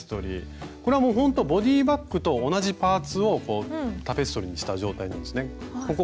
これはもうほんとボディーバッグと同じパーツをタペストリーにした状態なんですね。